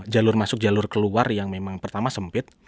jalur masuk jalur keluar yang memang pertama sempit